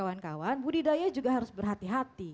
jadi kalau ada kawan kawan budidaya juga harus berhati hati